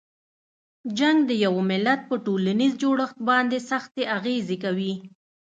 جنګ د یوه ملت په ټولنیز جوړښت باندې سختې اغیزې کوي.